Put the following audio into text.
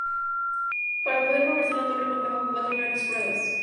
Para poder moverse, la torre contaba con cuatro grandes ruedas.